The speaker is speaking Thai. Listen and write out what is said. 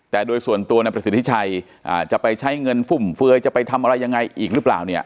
แต่โดยส่วนตัวนายประสิทธิชัยจะไปใช้เงินฟุ่มเฟือยจะไปทำอะไรยังไงอีกหรือเปล่าเนี่ย